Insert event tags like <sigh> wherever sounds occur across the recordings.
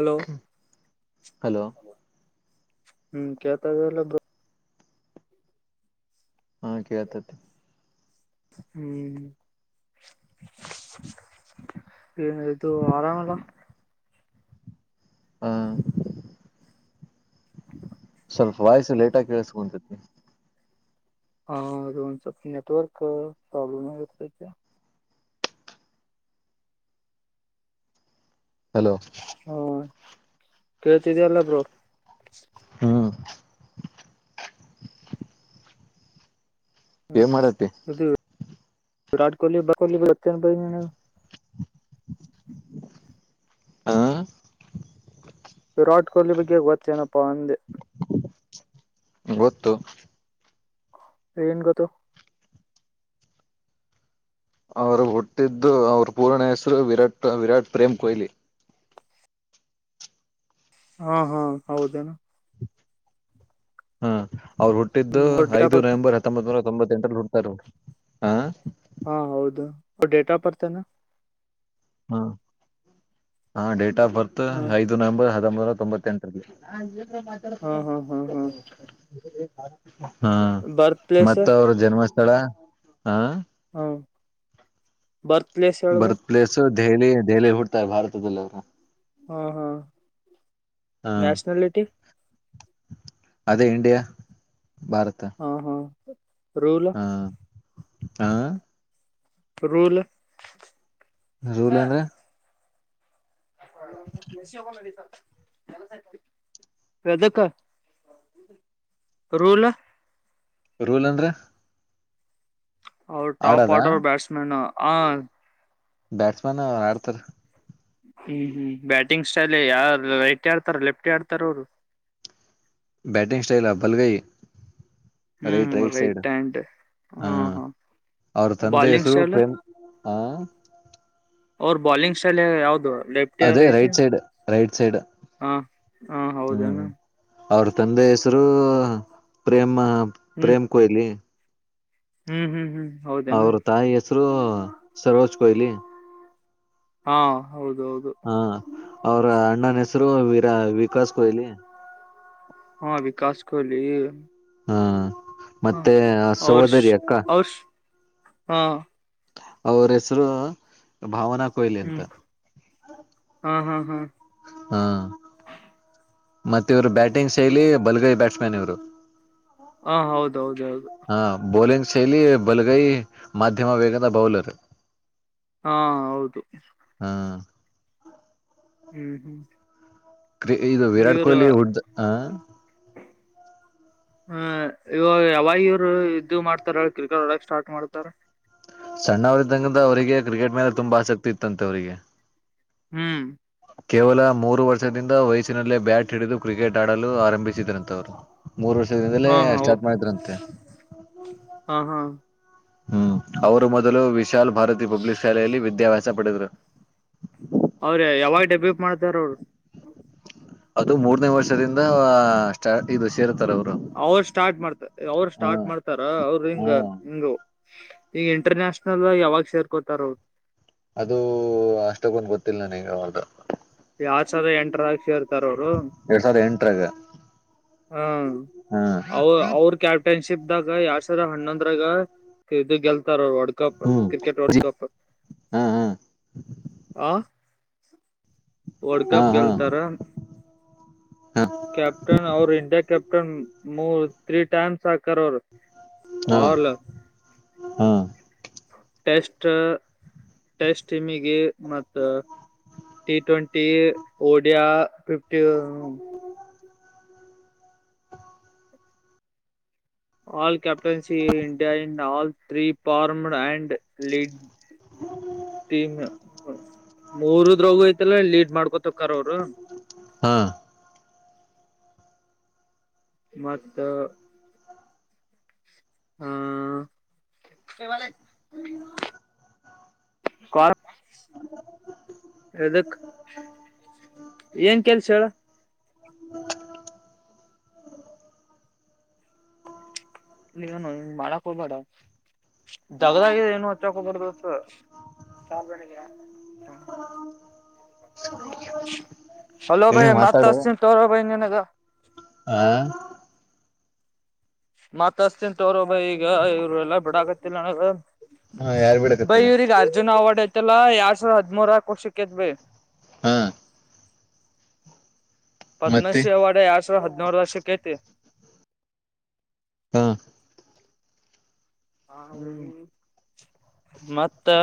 Hello hello. ಹ್ಮ್ ಕೇಳ್ತಾ ಇದೆ ಇಲ್ಲಾ ಬ್ರೋ ಹಾ ಕೇಳತೈತಿ. ಹ್ಮ್. ಏನು ಆಯ್ತು ಆರಾಮ ಎಲ್ಲ. ಹಾ. <inaudible> ಸ್ವಲ್ಪ ವಾಯಸು ಲೇಟ ಆಗಿ ಕೇಳಸ್ಕೊಂತನಿ. ಹಾ ಅದು ಒಂದ ಸ್ವಲ್ಪ್ ನೆಟವರ್ಕ ಪ್ರಾಬ್ಲಮ ಆಗತೈತಿ. ಹಲೋ. ಹ ಕೇಳ್ತಿದಲ್ಲ ಬ್ರೋ <inaudible> ಹ್ಮ ಏನ್ ಮಾಡತಿ ವಿರಾಟ್ ಕೋಹ್ಲಿ ಹಾ. ವಿರಾಟ್ ಕೊಹ್ಲಿ ಬಗ್ಗೆ ಗೊತ್ತೇನಪ್ಪಾ ಅಂದೆ. ಗೊತ್ತು. ಏನ್ ಗೊತ್ತು. ಅವರು ಹುಟ್ಟಿದ್ದು ಅವ್ರ ಪೂರ್ನ ಹೆಸರು ವಿರಾಟ್ ವಿರಾಟ್ ಪ್ರೇಮ್ ಕೊಹ್ಲಿ. ಹಾ ಹಾ ಹೌದೇನ. ಹ್ಮ ಅವ್ರು ಹುಟ್ಟಿದ್ದು ಹ್ಮ್ ಅವ್ರ ಡೇಟ್ ಆಫ್ ಐದು ಬರ್ತ್ ನವೆಂಬರ್ ಹತ್ತೊಂಬತ್ ನೂರ ತೊಂಬತ್ತು. ತೆಂಟಾರಲ್ಲಿ ಹುಟ್ರಾರ ಹಾ. ಹಾ ಹೌದು ಅವರ ಡೇಟ್ ಆಫ್ ಬರ್ತ ಏನ್. ಹ್ಮ ಹ ಡೇಟ್ ಆಫ್ ಬರ್ತ್ ಹ ಐದು ನವೆಂಬರ್ ಹ ಹತ್ತೊಂಬತ್ತನೂರ ತೊಂಬತ್ತ ಎಂಟರಲ್ಲಿ. ಹಾ ಹಾ ಹಾ ಹಾ ಹಾ ಬರ್ತ್ ಪ್ಲೇಸ್ ಮತ್ತ ಅವ್ರ ಜನ್ಮಸ್ಥಳ ಹಾ. ಹಾ ಬರ್ತ್ ಪ್ಲೇಸ್ ಹೇಳ ಅವರದ. ಬರ್ತ್ ಪ್ಲೇಸ್ ದೆಹಲಿ ದೆಹಲಿ ಹುಡ್ತಾಯ ಭಾರತದದಲ್ಲಿ ಅವ್ರ. ಹಾ ಹಾ ಹ ನ್ಯಾಷನ್ಯಲಿಟಿ. ಅದೇ ಇಂಡಿಯಾ. ಭಾರತ ಹಾ ಹಾ ರೂಲ್. ಹಾ. ರೂಲ್. ರೂಲ್ ಅಂದ್ರ. <inaudible> ಎದ್ಕ ರೂಲ. ರೂಲ್ ಅಂದ್ರ. ಅವರು ಟಾಪ್ ಆರ್ಡರ್ ಬ್ಯಾಟ್ಸ್ಮೇನ್ ಹ. ಬ್ಯಾಟ್ಸ್ಮನ್ ಆಡ್ತಾರ. ಹ್ಮ್ ಹ್ಮ್ ಬ್ಯಾಟಿಂಗ್ ಸ್ಟೈಲ್ ಯಾರ ರೈಟ್ ಆಡ್ತಾರ ಲೆಫ್ಟ ಆಡ್ತಾರ ಅವರು. ಬ್ಯಾಟಿಂಗ್ ಸ್ಟೈಲ್ ಭಲಗೈ. ಹ್ಮ್ ರೈಟ್ ಆ್ಯಾಂಡ್ ಹ ಹಾ ಹಾ. ಅವ್ರ ತಂದೆ ಬಾಲಿಂಗ್ ಹೆಸರು ಸ್ಟೈಲ್ ಪ್ರೇಮ ಹ. ಅವ್ರ ಬಾಲಿಂಗ್ ಸ್ಟೈಲ್ ಯಾವದು ಲೆಫ್ಟ ಯ ಅದೇ ರೈಟ್ ಸೈಡ್ ರೈಟ್ ಸೈಡ್ ಹ ಹಾ ಹ್ಮ್ ಹೌದನಾ ಅವ್ರ ತಂದೆ ಹೆಸರು ಪ್ರೇಮ ಹ್ಮ್ ಪ್ರೇಮ್ ಕೊಹ್ಲಿ ಹ್ಮ್ ಹ್ಮ್ ಹ್ಮ್ ಹೌದೇನು ಅವ್ರ ತಾಯಿ ಹೆಸರು ಸರೋಜ್ ಕೊಹ್ಲಿ ಹಾ ಹೌದೌದು ಹಾ ಅವ್ರ ಅಣ್ಣನ ಹೆಸರು ವಿರಾ ವಿಕಾಸ್ ಕೊಹ್ಲಿ ಕಾಸ್ ಕೊಹಲಿ ಹಾ ಮತ್ತೆ ಅವ್ರ ಸೋದರಿ ಅಕ್ಕ ಅವ್ರ ಹಾ ಅವ್ರ ಹೆಸರು ಭಾವನಾ ಲಿ ಎಂತ ಹ್ಮ್ ಹಾ ಹಾ ಹಾ ಹಾ ಮತ್ತೆ ಇವ್ರು ಬ್ಯಾಟಿಂಗ್ ಶೈಲಿ ಬಲ್ಗೈ ಬ್ಯಾಟ್ಸ್ ಮ್ಯಾನ್ ಇವ್ರು ಹ ಹೌದೌದು ಹಾ ಬೌಲಿಂಗ್ ಶೈಲಿ ಬಲಗೈ ಮಾಧ್ಯಮ ವೇಗದ ಬೌಲರ್ ಹಾ ಹೌದು ಹ ಹ್ಮ್ ಹ್ಮ್ ಕ್ರಿ ಇದು ವಿರಾಟ್ ಇವ್ರು ಕೊಹ್ಲಿ ಹುಡ್ ಹ ಹ್ಮ ಹ್ಮ ಇವಾಗ ಯಾವಾಗ ಇವ್ರು ಇದದು ಮಾಡ್ತಾರ ಕ್ರಿಕೆಟ್ ಒಡಕ್ ಸ್ಟಾರ್ಟ್ ಮಾಡ್ತಾರ ಸಣ್ಣವರ ಇದಿದ್ದಂಗಂದ ಅವ್ರರಿಗೆ ಕ್ರಿಕೆಟ್ ಮೇಲೆ ತುಂಬಾ ಆಸಕ್ತಿ ಇತ್ತಂತೆ ಅವ್ರರಿಗೆ ಹ್ಮ್ ಕೇವಲ ಮೂರು ವರ್ಷದಿಂದ ವಯಸ್ಸಿನಲ್ಲೇ ಬ್ಯಾಟ್ ಹಿಡಿದು ಕ್ರಿಕೆಟ್ ಆಡಲು ಆರಂಭಿಸಿದ್ರಂತವ್ರು ಮೂರ್ ವರ್ಷದಿಂದಲೇ ಹಾ ಹಾ ಸ್ಟಾರ್ಟ್ ಮಾಡಿದ್ರಂತೆ ಹಾ ಹಾ ಹ್ಮ್ ಅವರು ಮೊದಲು ವಿಶಾಲ್ ಭಾರತಿ ಪಬ್ಲಿಕ್ ಶಾಲೆಯಲ್ಲಿ ವಿದ್ಯಾಭ್ಯಾಸ ಪಡೆದ್ರು ಅವ್ರ ಯಾವಾಗ ಡಬ್ಬ್ಯ ಮಾಡ್ತಾರ ಅವರು ಅದು ಮೂರ್ನೇ ವರ್ಷದಿಂದ ಸ್ಟಾರ್ಟ್ ಇದು ಸೇರ್ ಅವರು ಸ್ಟಾರ್ಟ್ ಮಾಡ್ತ ಅವ್ರ ಹಾ ಸ್ಟಾರ್ಟ್ ಮಾಡ್ತಾರ ಅವ್ರ ಹಿಂಗ ಹ್ಮ ಹಿಂಗ ಈಗ ಇಂಟರ್ನ್ಯಷನಲ್ ಯಾವಾಗ ಸೇರ್ಕೋತಾರ ಅವರು ಅದು ಅಷ್ಟಕ್ಕೊಂದು್ ಗೊತ್ತಿಲ್ಲ ನನಗ ಅವರ್್ದ ಯ ಸದ ಎಂಟರಕ್ಷಿರ್ ಎರಡ್ ಸಾವಿರದ ಎಂಟರಾಗ ಹಾ ಹಾ ಅವ್ರ ಕ್ಯಾಪ್ಟನ್ಸಿ ಶಿಬ್ದಾಗ ಯಾವ ಸರ ಹಣ್ಣೊಂದ್ರಾಗ ಇ ಗೆಲ್ತಾರ ಒ ಕಪ್ ಹ್ಮ್ ಕ್ರಿಕೆಟ್ ವರ್ಲ್ಡ್ ಕಪ್ ಹಾ ಹಾ ಹ ವರ್ಡ್ ಹಾ ಕಪ್ ಗೆಲ್ತಾರ ಹಾ ಕ್ಯಾಪ್ಟನ್ ಅವರು ಇಂಡಿಯಾ ಕೆ್ಯಾಪ್ಟನ್ ಮೂ ತ್ರೀ ಟೈಮ್ಸ್ ಹಾಕ ಅವ ಹಾ ಹಾ ಟೆಸ್ಟ್ ಟೆಸ್ಟ್ ಟೀಮಿಗೆ ಮತ್ತ ಟಿ ಟ್ವೆಂಟಿ ಓಡಿಯಾ ಿಫ್ಟಿ ಹ ಆಲ್ ಕ್ಯಾಪ್ಟನ್ಸಿ ಇಂಡಿಯಾ ಇಂಡ ಆಲ್ ೀ ಪಾರ್ಮ್ಡ್ ಅಂಡ್ ಲೀಡ್ ಟೀಮ್ ಮೂರು ದ್ರೋಗ ಐ್ತಲ್ಲ ಲೀಡ್ ಮಾಡ್ಕೊತ ಕರ ಅವರು ಹಾ ಮತ್ತ ಹ್ಮ್ ಕಲ್ ಯದಕ್ ಏನ್ ಕೆಲ್ಸ ಹೇಳ ಇನು ಮಾಡಕ್ ಹೋಗಬೇಡ ದಗದಾಗಿ ಏನು ಹಚ್ಚಕ್ ಹೋಬಾರ್ದಸ್ ಸಾಂಬ್ರಣಿಗೆ ಹ. ಹ ಚಲೋ ಭೈ ಮತ್ತ ಹಸಿನ್ ತೋರ ಭೈ ನೀನಗ. ಹ ಮಾತ್ ಅಸ್ತನ್ ತ ಅವ್ರೊಬ್ಬ ಈಗ ಇವರು ಎಲ್ಲಾ ಬಿಡ ಆಗತ್ತಲ್ಲ ಹಾ ಯಾರು ಬೈ ಬಿಡಕತ್ತಿಲ್ಲ ಇವ್ರಗ್ ಅರ್ಜುನ್ ಅವಾರ್ಡ್ ಐತಲ್ಲಾ ಎರಡ್ ಸಾವಿರದ ಹದ್ಮೂರ ವರ್ಷಿಕಿತ್ ಬೈ. ಹ್ಮ ಮತ್ತೆ ಪದ್ಮಶ್ರೀ ಅವಾರ್ಡ್ ಎರಡ್ ಸಾವಿರದ ಹದಿನಾರು ವರ್ಷಕ್ಕೆ ಐತಿ. ಹಾ ಮತ್ತೆ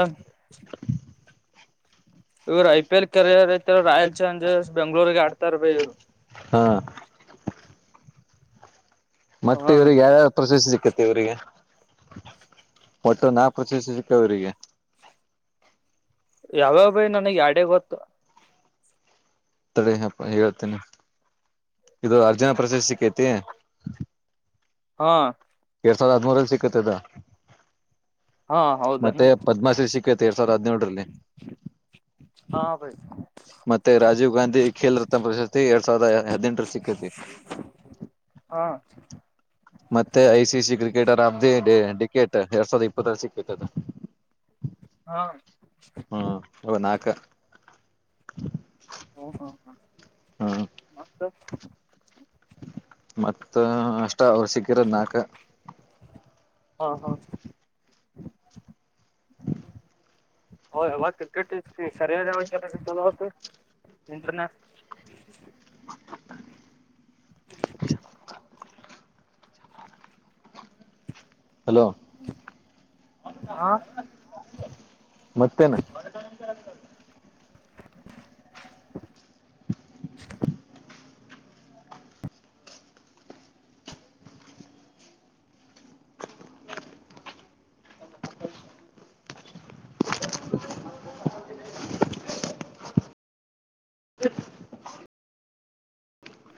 ಇವ್ರು ಐ ಪಿ ಎಲ್ ಕೆರಿಯರ್ ಐತೆ ರಾಯಲ್ ಚಾಲೆಂಜರ್ಸ್ ಬೆಂಗ್ಳೂರಿಗೆ ಆಡ್ತಾರ್ ಭೖ ಇವರು. ಹಾ ಹ್ಮ್ ಮತ್ತೆ ಹಾ ಇವ್ರಿಗೆ ಯಾವ್ಯಾವ ಪ್ರಶಸ್ತಿ ಸಿಕ್ಕತಿ ಇವ್ರಿಗೆ. ಒಟ್ಟು ನಾಕ್ ಪ್ರಶಸ್ತಿ ಸಿಗ್ತವರಿಗೆ. ಯಾವ್ಯವು ಭೈ ನನಗ್ ಎರಡೇ ಗೊತ್ತು. ತಡೆಯಪ್ಪ ಹೇಳ್ತೀನೆ ಇದು ಅರ್ಜುನ ಪ್ರಶಸ್ತಿಕೈತಿ. ಹಾ ಎರಡ್ ಸಾವಿರದ ಹದ್ಮೂರಲ್ಲಿ ಸಿಕ್ಕೖತ್ ಅದು. ಹಾ ಹೌದೇನ ಮತ್ತೆ ಪದ್ಮಶ್ರೀ ಸಿಕ್ಕೈತೆ ಎರಡ್ ಸಾವಿರದ ಹದ್ನೇಳರಲ್ಲಿ. ಹಾ ಬೖ. ಮತ್ತೆ ರಾಜೀವ್ ಗಾಂಧಿ ಖೇಲ್ ರತ್ನ ಪ್ರಶಸ್ತಿ ಎರಡ್ ಸಾವಿರದ ಹದ್ನೆಂಟರಲ್ ಸಿಕ್ಕೖತಿ. ಹಾ ಮತ್ತೆ I C C cricketer of the decade ಎರಡ್ ಸಾವಿರದ ಇಪ್ಪತ್ತರಲ್ ಸಿಕ್ಕೖತ್ ಅದು. ಹಾ ಹ್ಮ ಅವು ನಾಲ್ಕ. ಹೌದೌದು ಹಾ ಮತ್ತ ಮತ್ತ ಅಷ್ಟ ಅವರಿಗ್ ಸಿಕ್ಕಿರೋದ ನಾಕ. ಹಾ ಹಾ <inaudible> ಹ್ ಅವಾಗ ಕ್ರಿಕೆಟ್ ಸರಿಯಾದಾವಾಗ ಕೆಲ ಇಂಟರ್ನ್ಯಷ್ನಲ್. <inaudible> ಹಲೋ ಹಾ ಮತ್ತೇನು? <inaudible> ಹ <inaudible>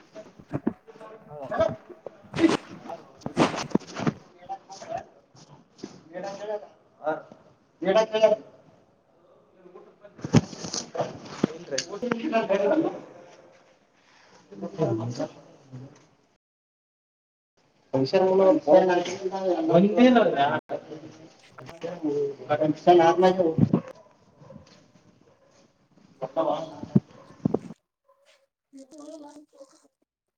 ಹ್ಮ <inaudible> <inaudible> ಎಡ ಕ <unintelligible> ಟ <unintelligible> ಹ <unintelligible> ಷ <unintelligible> ನ <unintelligible> ಎತ್ತವಾ <unintelligible> ಹ <unintelligible>